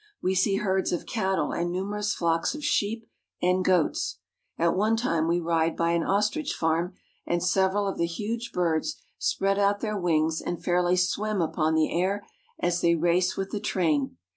We see herds of cattle and numerous flocks of sheep and goats. At one time we ride by an ostrich farm, and several of the huge birds spread out their wings and fairly swim upon the air as they race with the train.